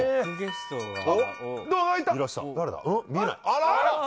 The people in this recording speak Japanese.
あら！